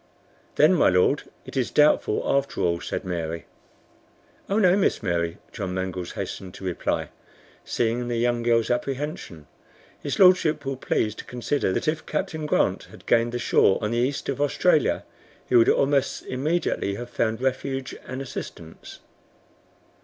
"Then, my Lord, it is doubtful, after all," said Mary. "Oh no, Miss Mary," John Mangles hastened to reply, seeing the young girl's apprehension. "His Lordship will please to consider that if Captain Grant had gained the shore on the east of Australia, he would almost immediately have found refuge and assistance.